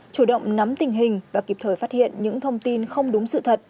chủ động nắm tình hình và kịp thời phát hiện những thông tin không đúng sự thật